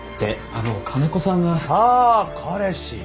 ああ彼氏